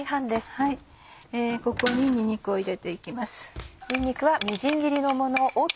ここににんにくを入れて行きます。